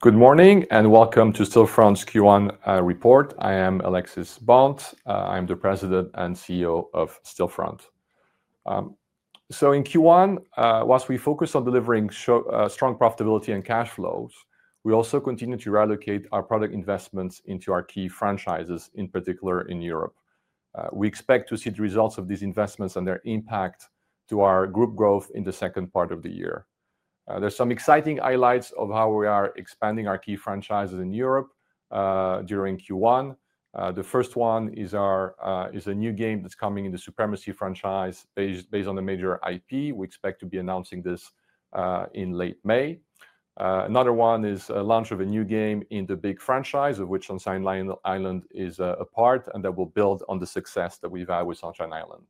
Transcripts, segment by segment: Good morning and welcome to Stillfront's Q1 report. I am Alexis Bonte, I'm the President and CEO of Stillfront. In Q1, whilst we focus on delivering strong profitability and cash flows, we also continue to reallocate our product investments into our key franchises, in particular in Europe. We expect to see the results of these investments and their impact to our group growth in the second part of the year. There are some exciting highlights of how we are expanding our key franchises in Europe during Q1. The first one is a new game that is coming in the Supremacy franchise based on a major IP. We expect to be announcing this in late May. Another one is the launch of a new game in the Big Farm franchise, of which Sunshine Island is a part, and that will build on the success that we have had with Sunshine Island.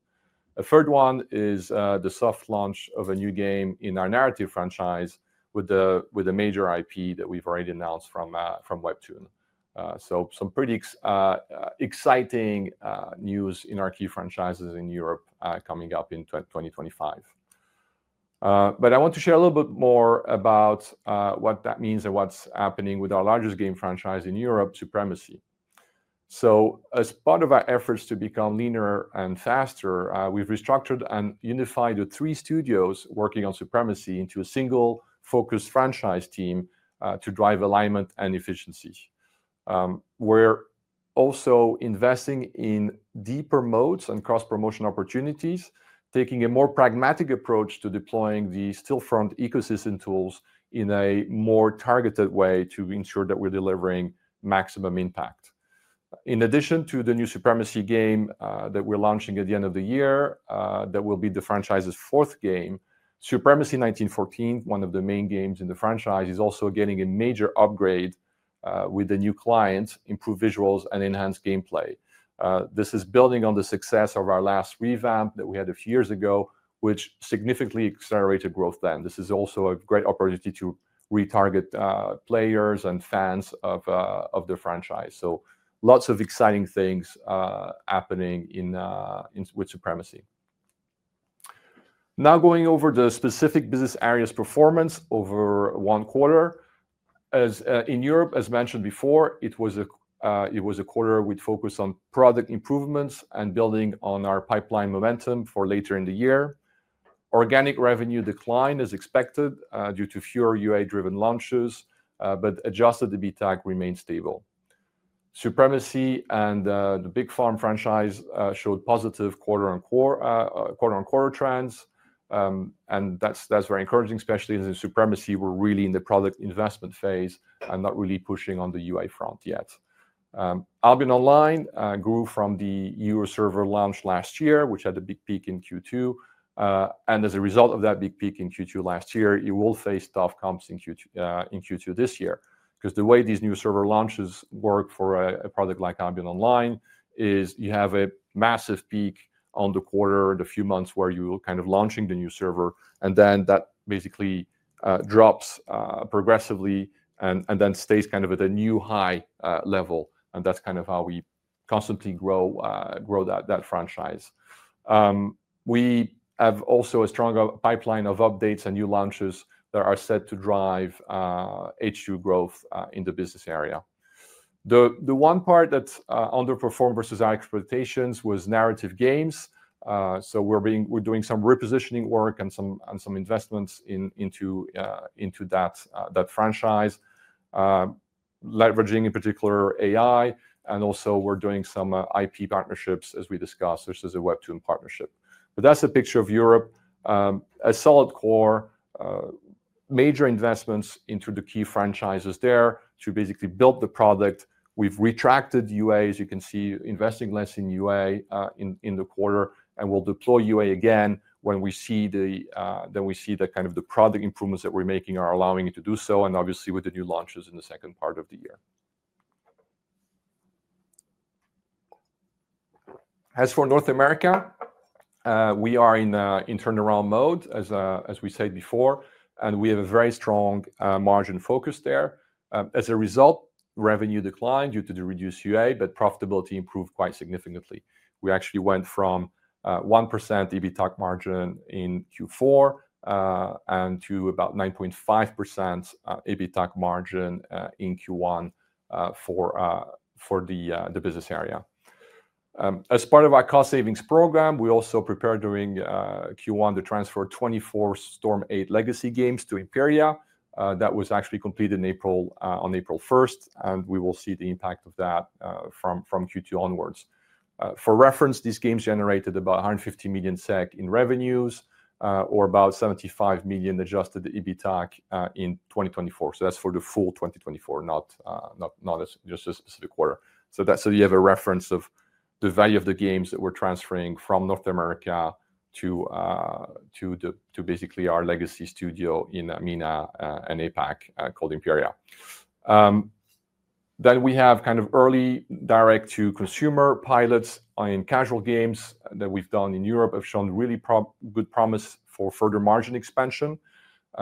A third one is the soft launch of a new game in our Narrative franchise with a major IP that we've already announced from Webtoon. Some pretty exciting news in our key franchises in Europe coming up in 2025. I want to share a little bit more about what that means and what's happening with our largest game franchise in Europe, Supremacy. As part of our efforts to become leaner and faster, we've restructured and unified the three studios working on Supremacy into a single focused franchise team to drive alignment and efficiency. We're also investing in deeper modes and cross-promotion opportunities, taking a more pragmatic approach to deploying the Stillfront ecosystem tools in a more targeted way to ensure that we're delivering maximum impact. In addition to the new Supremacy game that we're launching at the end of the year, that will be the franchise's fourth game, Supremacy 1914, one of the main games in the franchise, is also getting a major upgrade with the new clients, improved visuals, and enhanced gameplay. This is building on the success of our last revamp that we had a few years ago, which significantly accelerated growth then. This is also a great opportunity to retarget players and fans of the franchise. Lots of exciting things happening with Supremacy. Now going over the specific business areas' performance over one quarter. In Europe, as mentioned before, it was a quarter with focus on product improvements and building on our pipeline momentum for later in the year. Organic revenue decline is expected due to fewer UA-driven launches, but adjusted EBITDAC remains stable. Supremacy and the Big Farm franchise showed positive quarter-on-quarter trends. That is very encouraging, especially as Supremacy were really in the product investment phase and not really pushing on the UA front yet. Albion Online grew from the newer server launch last year, which had a big peak in Q2. As a result of that big peak in Q2 last year, you will face tough comps in Q2 this year. The way these new server launches work for a product like Albion Online is you have a massive peak on the quarter and a few months where you are kind of launching the new server, and then that basically drops progressively and then stays kind of at a new high level. That is kind of how we constantly grow that franchise. We have also a strong pipeline of updates and new launches that are set to drive H2 growth in the business area. The one part that underperformed versus our expectations was Narrative Games. So we're doing some repositioning work and some investments into that franchise, leveraging in particular AI. And also we're doing some IP partnerships, as we discussed, such as a Webtoon partnership. That is a picture of Europe. A solid core, major investments into the key franchises there to basically build the product. We've retracted UA, as you can see, investing less in UA in the quarter, and we'll deploy UA again when we see that kind of the product improvements that we're making are allowing it to do so, obviously with the new launches in the second part of the year. As for North America, we are in turnaround mode, as we said before, and we have a very strong margin focus there. As a result, revenue declined due to the reduced UA, but profitability improved quite significantly. We actually went from 1% EBITDA margin in Q4 to about 9.5% EBITDA margin in Q1 for the business area. As part of our cost savings program, we also prepared during Q1 to transfer 24 Storm 8 legacy games to Imperia. That was actually completed on April 1st, and we will see the impact of that from Q2 onwards. For reference, these games generated about 150 million SEK in revenues or about 75 million adjusted to EBITDA in 2024. That is for the full 2024, not just a specific quarter. You have a reference of the value of the games that we're transferring from North America to basically our legacy studio in MENA and APAC called Imperia. Then we have kind of early direct-to-consumer pilots in casual games that we've done in Europe have shown really good promise for further margin expansion.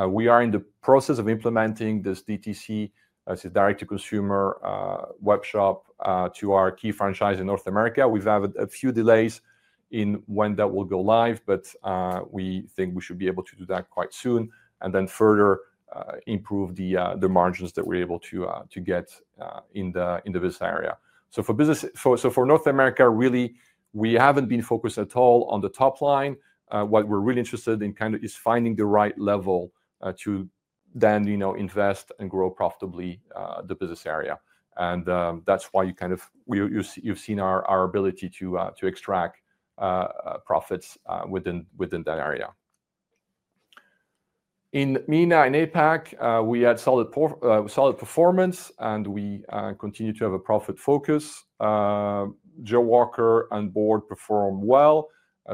We are in the process of implementing this DTC, this direct-to-consumer web shop, to our key franchise in North America. We've had a few delays in when that will go live, but we think we should be able to do that quite soon and then further improve the margins that we're able to get in the business area. For North America, really, we haven't been focused at all on the top line. What we're really interested in kind of is finding the right level to then invest and grow profitably the business area. That is why you have seen our ability to extract profits within that area. In MENA and APAC, we had solid performance and we continue to have a profit focus. Jawaker and Board performed well.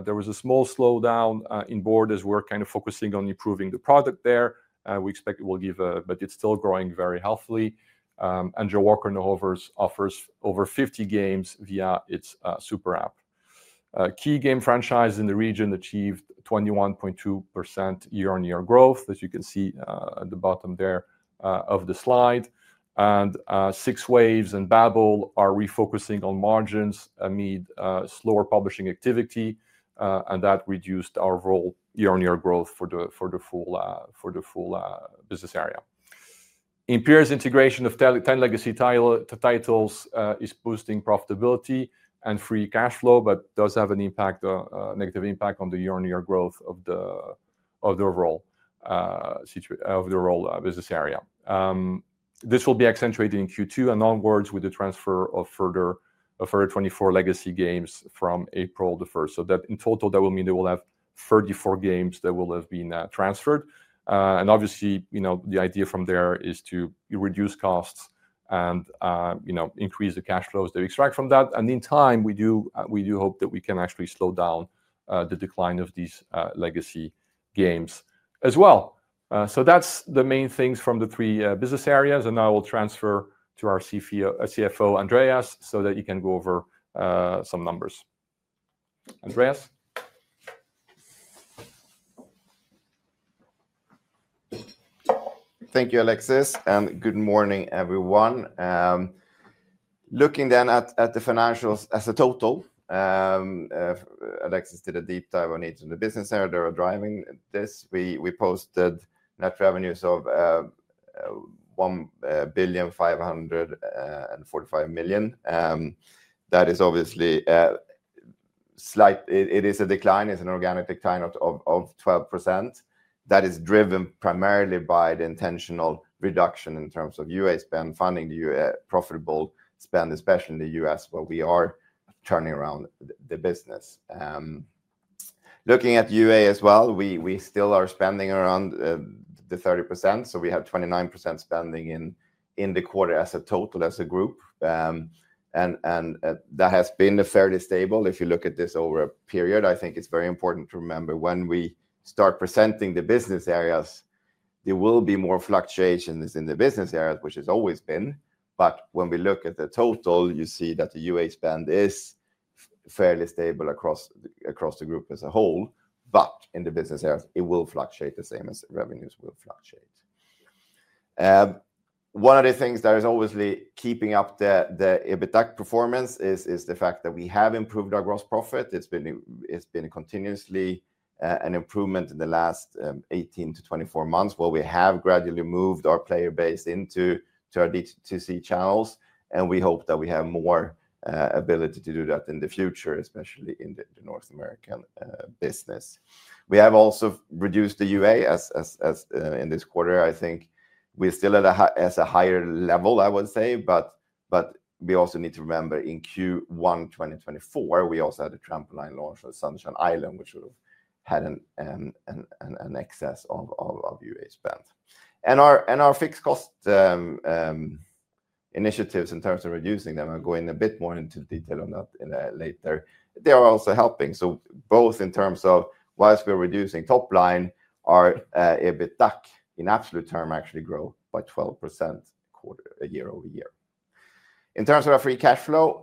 There was a small slowdown in Board as we are kind of focusing on improving the product there. We expect it will give, but it is still growing very healthily. Jawaker now offers over 50 games via its Super App. Key game franchises in the region achieved 21.2% year-on-year growth, as you can see at the bottom there of the slide. Six Waves and Babil are refocusing on margins amid slower publishing activity, and that reduced our overall year-on-year growth for the full business area. Imperia's integration of 10 legacy titles is boosting profitability and free cash flow, but does have a negative impact on the year-on-year growth of the overall business area. This will be accentuated in Q2 and onwards with the transfer of a further 24 legacy games from April the 1st. In total, that will mean they will have 34 games that will have been transferred. Obviously, the idea from there is to reduce costs and increase the cash flows they extract from that. In time, we do hope that we can actually slow down the decline of these legacy games as well. That is the main things from the three business areas. I will transfer to our CFO, Andreas, so that you can go over some numbers. Andreas? Thank you, Alexis. Good morning, everyone. Looking then at the financials as a total, Alexis did a deep dive on each of the business areas that are driving this. We posted net revenues of 1.545 billion. That is obviously a slight, it is a decline, it's an organic decline of 12%. That is driven primarily by the intentional reduction in terms of UA spend, funding the profitable spend, especially in the U.S., where we are turning around the business. Looking at UA as well, we still are spending around the 30%. We have 29% spending in the quarter as a total as a group. That has been fairly stable. If you look at this over a period, I think it's very important to remember when we start presenting the business areas, there will be more fluctuations in the business areas, which has always been. When we look at the total, you see that the UA spend is fairly stable across the group as a whole. In the business areas, it will fluctuate the same as revenues will fluctuate. One of the things that is obviously keeping up the EBITDA performance is the fact that we have improved our gross profit. It's been continuously an improvement in the last 18-24 months where we have gradually moved our player base into our DTC channels. We hope that we have more ability to do that in the future, especially in the North American business. We have also reduced the UA in this quarter. I think we're still at a higher level, I would say. We also need to remember in Q1 2024, we also had a trampoline launch on Sunshine Island, which would have had an excess of UA spend. Our fixed cost initiatives in terms of reducing them, I'll go in a bit more into detail on that later. They are also helping. Both in terms of whilst we're reducing top line, our EBITDA in absolute term actually grew by 12% year-over-year. In terms of our free cash flow,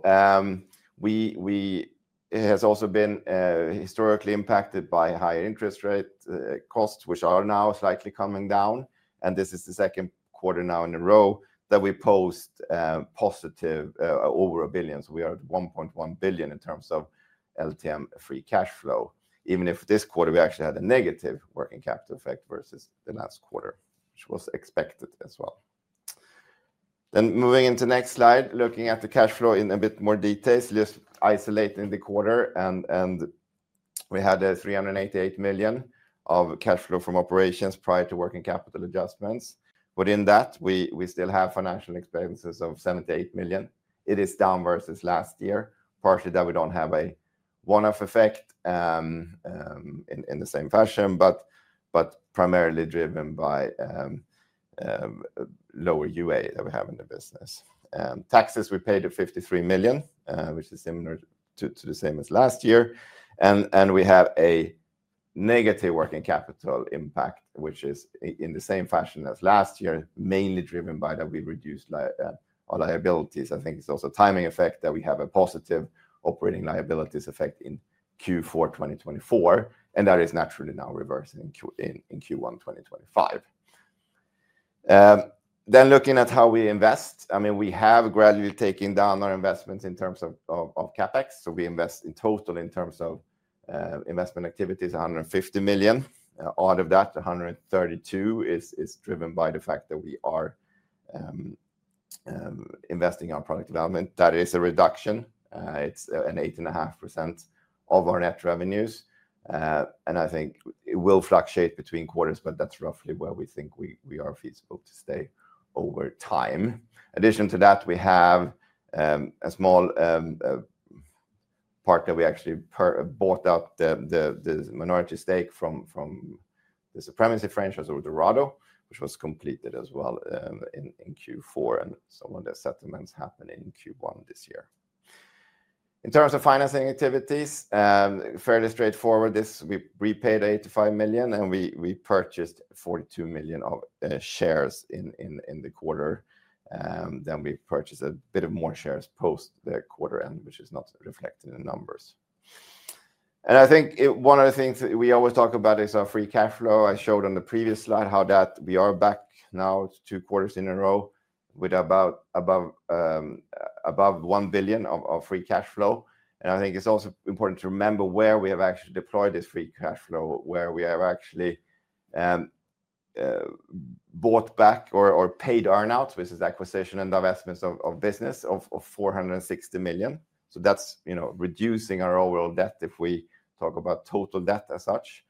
it has also been historically impacted by higher interest rate costs, which are now slightly coming down. This is the second quarter now in a row that we post positive over 1 billion. We are at 1.1 billion in terms of LTM free cash flow, even if this quarter we actually had a negative working capital effect versus the last quarter, which was expected as well. Moving into the next slide, looking at the cash flow in a bit more detail, just isolating the quarter. We had 388 million of cash flow from operations prior to working capital adjustments. Within that, we still have financial expenses of 78 million. It is down versus last year, partially that we do not have a one-off effect in the same fashion, but primarily driven by lower UA that we have in the business. Taxes we paid of 53 million, which is similar to the same as last year. We have a negative working capital impact, which is in the same fashion as last year, mainly driven by that we reduced our liabilities. I think it is also a timing effect that we have a positive operating liabilities effect in Q4 2024. That is naturally now reversing in Q1 2025. Looking at how we invest, I mean, we have gradually taken down our investments in terms of CapEx. We invest in total in terms of investment activities, 150 million. Out of that, 132 million is driven by the fact that we are investing in our product development. That is a reduction. It is 8.5% of our net revenues. I think it will fluctuate between quarters, but that is roughly where we think we are feasible to stay over time. In addition to that, we have a small part that we actually bought up the minority stake from the Supremacy franchise or Dorado, which was completed as well in Q4. Some of the settlements happened in Q1 this year. In terms of financing activities, fairly straightforward, we prepaid 85 million, and we purchased 42 million of shares in the quarter. We purchased a bit more shares post the quarter end, which is not reflected in the numbers. I think one of the things that we always talk about is our free cash flow. I showed on the previous slide how we are back now two quarters in a row with about 1 billion of free cash flow. I think it's also important to remember where we have actually deployed this free cash flow, where we have actually bought back or paid earnings, which is acquisition and divestments of business of 460 million. That is reducing our overall debt if we talk about total debt as such.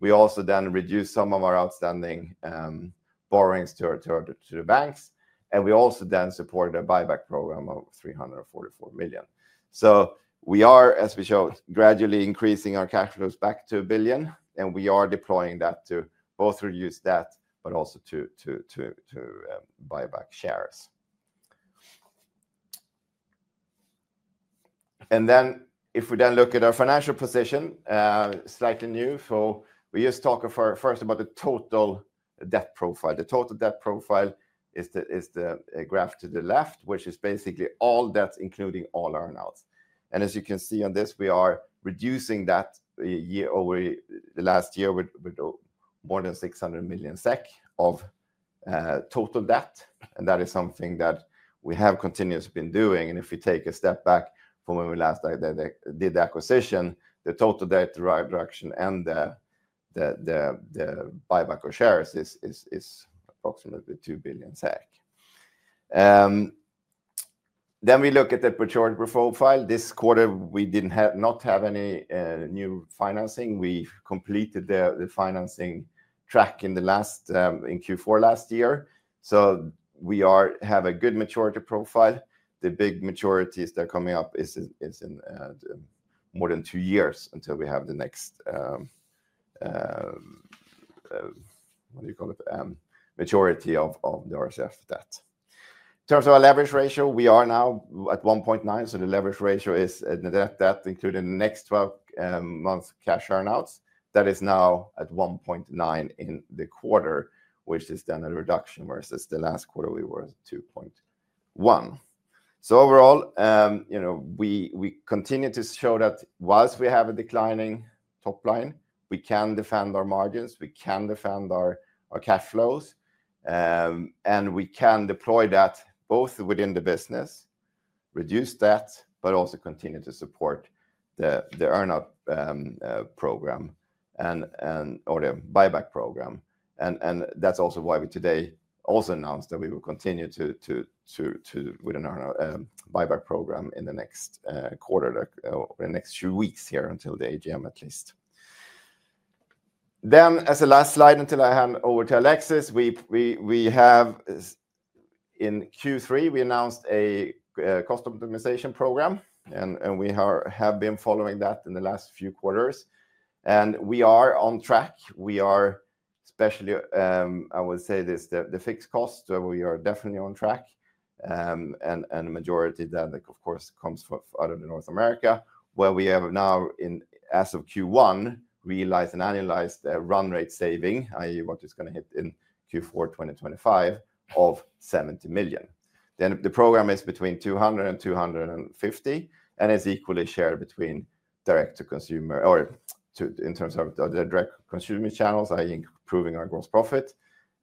We also then reduced some of our outstanding borrowings to the banks. We also then supported a buyback program of 344 million. We are, as we showed, gradually increasing our cash flows back to a billion. We are deploying that to both reduce debt, but also to buy back shares. If we then look at our financial position, slightly new. We just talked first about the total debt profile. The total debt profile is the graph to the left, which is basically all debts, including all earnings. As you can see on this, we are reducing that over the last year with more than 600 million SEK of total debt. That is something that we have continuously been doing. If we take a step back from when we last did the acquisition, the total debt reduction and the buyback of shares is approximately SEK 2 billion. We look at the maturity profile. This quarter, we did not have any new financing. We completed the financing track in Q4 last year. We have a good maturity profile. The big maturities that are coming up is in more than two years until we have the next, what do you call it, maturity of the RSF debt. In terms of our leverage ratio, we are now at 1.9. So the leverage ratio is net debt included in the next 12 months cash earnings. That is now at 1.9 in the quarter, which is then a reduction versus the last quarter we were at 2.1. So overall, we continue to show that whilst we have a declining top line, we can defend our margins, we can defend our cash flows, and we can deploy that both within the business, reduce debt, but also continue to support the earnings program or the buyback program. That is also why we today also announced that we will continue with an earnings buyback program in the next quarter or the next few weeks here until the AGM at least. As a last slide until I hand over to Alexis, we have in Q3 announced a cost optimization program. We have been following that in the last few quarters. We are on track. Especially, I would say this, the fixed cost, we are definitely on track. The majority of that, of course, comes out of North America, where we have now, as of Q1, realized and annualized run rate saving, i.e., what is going to hit in Q4 2025 of 70 million. The program is between 200 million and 250 million, and it's equally shared between direct to consumer or in terms of the direct to consumer channels, i.e., improving our gross profit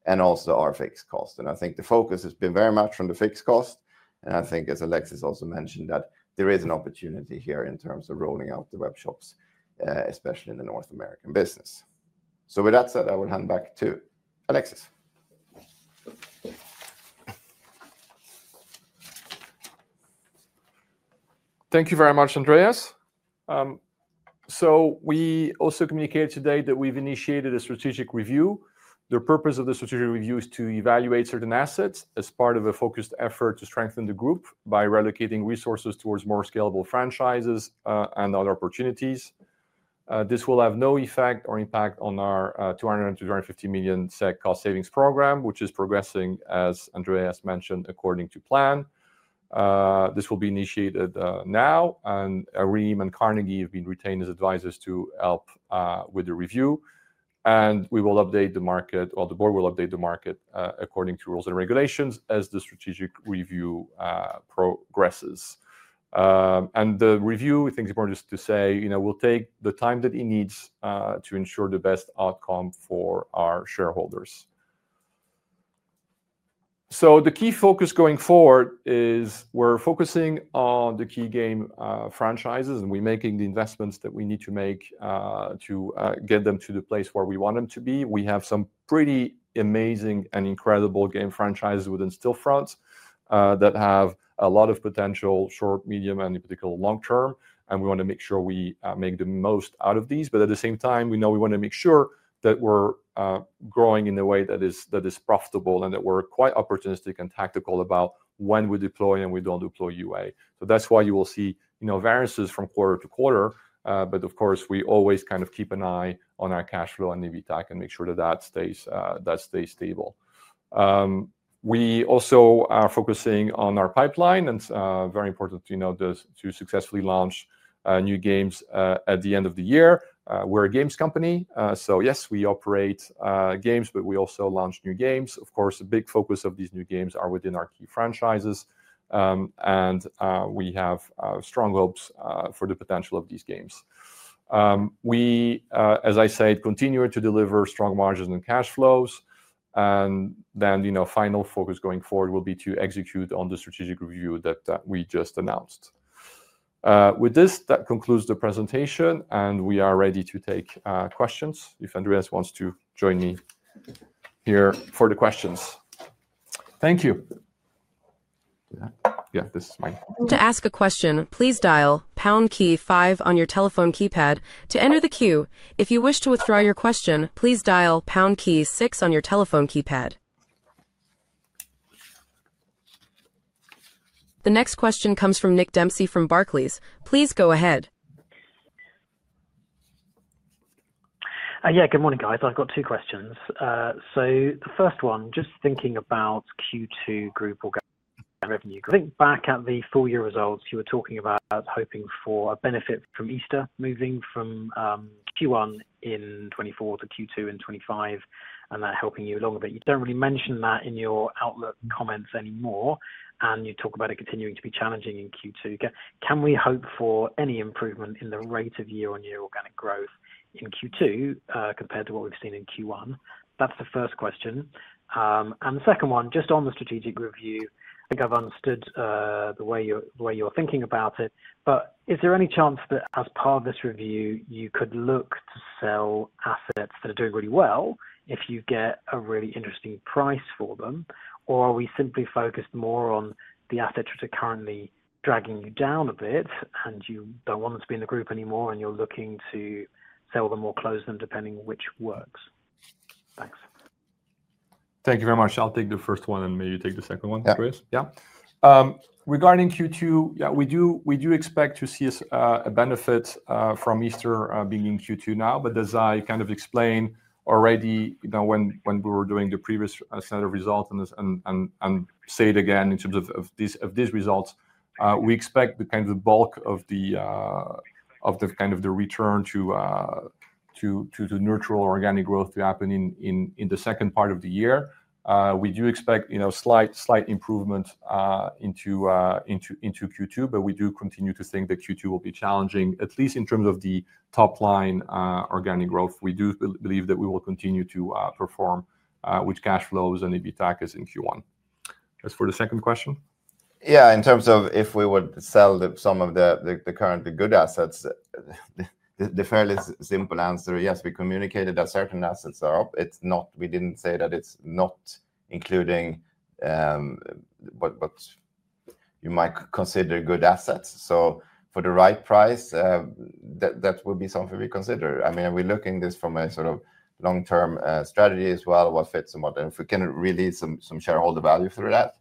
and also our fixed cost. I think the focus has been very much on the fixed cost. I think, as Alexis also mentioned, that there is an opportunity here in terms of rolling out the web shops, especially in the North American business. With that said, I will hand back to Alexis. Thank you very much, Andreas. We also communicated today that we've initiated a strategic review. The purpose of the strategic review is to evaluate certain assets as part of a focused effort to strengthen the group by relocating resources towards more scalable franchises and other opportunities. This will have no effect or impact on our 200 million-250 million SEK cost savings program, which is progressing, as Andreas mentioned, according to plan. This will be initiated now. Iman & Carnegie have been retained as advisors to help with the review. We will update the market, or the board will update the market according to rules and regulations as the strategic review progresses. The review, I think it's important to say, will take the time that it needs to ensure the best outcome for our shareholders. The key focus going forward is we're focusing on the key game franchises and we're making the investments that we need to make to get them to the place where we want them to be. We have some pretty amazing and incredible game franchises within Stillfront that have a lot of potential short, medium, and in particular, long term. We want to make sure we make the most out of these. At the same time, we know we want to make sure that we're growing in a way that is profitable and that we're quite opportunistic and tactical about when we deploy and we don't deploy UA. That is why you will see variances from quarter to quarter. Of course, we always kind of keep an eye on our cash flow and EBITDA and make sure that that stays stable. We also are focusing on our pipeline. It is very important to know to successfully launch new games at the end of the year. We're a games company. Yes, we operate games, but we also launch new games. Of course, a big focus of these new games are within our key franchises. We have strong hopes for the potential of these games. We, as I said, continue to deliver strong margins and cash flows. A final focus going forward will be to execute on the strategic review that we just announced. With this, that concludes the presentation. We are ready to take questions if Andreas wants to join me here for the questions. Thank you. Yeah, this is Mike. To ask a question, please dial pound key five on your telephone keypad to enter the queue. If you wish to withdraw your question, please dial pound key six on your telephone keypad. The next question comes from Nick Dempsey from Barclays. Please go ahead. Yeah, good morning, guys. I've got two questions. The first one, just thinking about Q2 group revenue. I think back at the full year results, you were talking about hoping for a benefit from Easter moving from Q1 in 2024 to Q2 in 2025 and that helping you along a bit. You do not really mention that in your outlook comments anymore. You talk about it continuing to be challenging in Q2. Can we hope for any improvement in the rate of year-on-year organic growth in Q2 compared to what we've seen in Q1? That's the first question. The second one, just on the strategic review, I think I've understood the way you're thinking about it. Is there any chance that as part of this review, you could look to sell assets that are doing really well if you get a really interesting price for them? Are we simply focused more on the assets which are currently dragging you down a bit and you do not want them to be in the group anymore and you are looking to sell them or close them depending which works? Thanks. Thank you very much. I'll take the first one and maybe take the second one, Andreas. Yeah. Regarding Q2, yeah, we do expect to see a benefit from Easter being in Q2 now. As I kind of explained already when we were doing the previous set of results and say it again in terms of these results, we expect the kind of bulk of the kind of return to neutral organic growth to happen in the second part of the year. We do expect slight improvement into Q2, but we do continue to think that Q2 will be challenging, at least in terms of the top line organic growth. We do believe that we will continue to perform with cash flows and EBITDA in Q1. As for the second question. Yeah, in terms of if we would sell some of the current good assets, the fairly simple answer, yes, we communicated that certain assets are up. We did not say that it is not including what you might consider good assets. For the right price, that would be something we consider. I mean, are we looking at this from a sort of long-term strategy as well? What fits and what? And if we can release some shareholder value through that,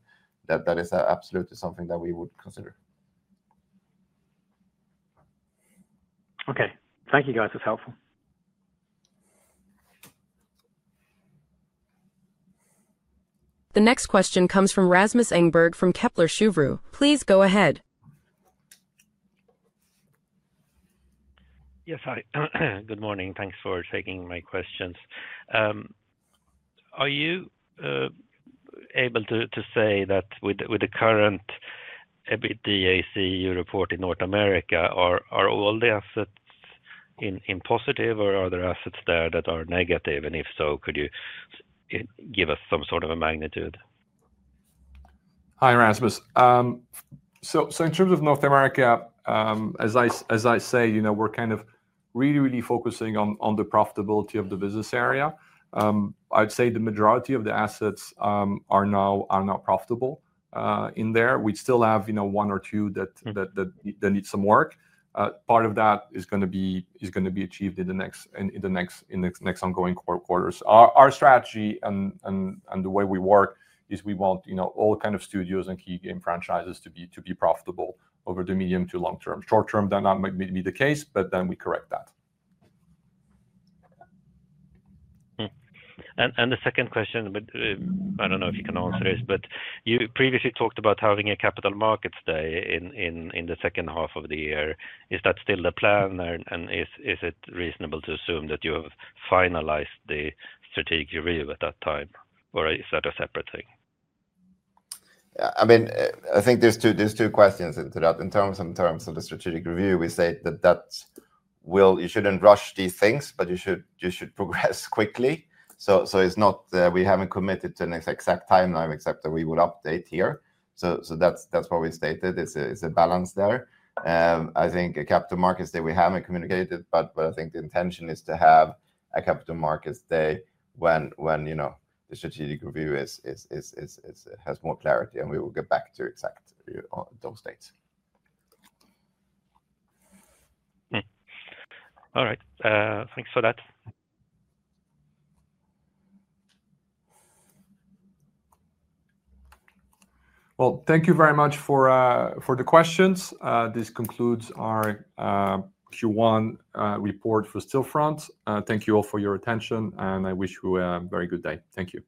that is absolutely something that we would consider. Okay. Thank you, guys. It's helpful. The next question comes from Rasmus Engberg from Kepler Cheuvreux. Please go ahead. Yes, hi. Good morning. Thanks for taking my questions. Are you able to say that with the current EBITDA/CE report in North America, are all the assets in positive or are there assets there that are negative? If so, could you give us some sort of a magnitude? Hi, Rasmus. In terms of North America, as I say, we're kind of really, really focusing on the profitability of the business area. I'd say the majority of the assets are now profitable in there. We still have one or two that need some work. Part of that is going to be achieved in the next ongoing quarters. Our strategy and the way we work is we want all kinds of studios and key game franchises to be profitable over the medium to long term. Short term, that might not be the case, but then we correct that. The second question, but I don't know if you can answer this, but you previously talked about having a capital markets day in the second half of the year. Is that still the plan? Is it reasonable to assume that you have finalized the strategic review at that time? Or is that a separate thing? I mean, I think there's two questions into that. In terms of the strategic review, we say that you shouldn't rush these things, but you should progress quickly. We haven't committed to an exact timeline, except that we will update here. That's what we stated. It's a balance there. I think a capital markets day, we haven't communicated, but I think the intention is to have a capital markets day when the strategic review has more clarity. We will get back to those exact dates. All right. Thanks for that. Thank you very much for the questions. This concludes our Q1 report for Stillfront. Thank you all for your attention. I wish you a very good day. Thank you.